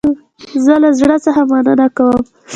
زه له زړه څخه مننه کوم